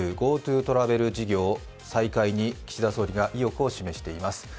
ＧｏＴｏトラベル事業再開に岸田総理が意欲を示しています。